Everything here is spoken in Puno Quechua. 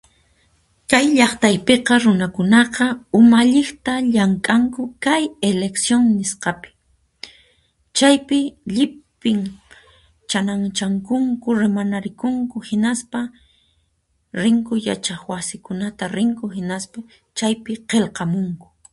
kay llaqtaypiqa runakunaqa umalliqta llank'anku kay elección nisqapi, chaypi llipin chananchankunku, rimanarikunku hinaspa rinku yachaqwasikunata rinku, hinaspa chaypi qillqamunku.